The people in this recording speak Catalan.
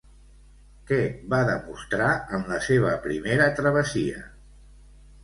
Què va demostrar en la seva primera travessia?